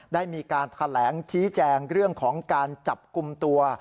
ได้มีการแถลงชี้แจงเรื่องของการจับกลุ่มตัว